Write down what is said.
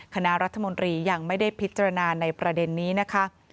คณะรัฐมนตรียังไม่ได้พิจารณาในประเด็นนี้นะคะ